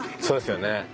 そうですよね。